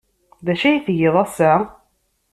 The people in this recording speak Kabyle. D acu ay tgiḍ ass-a?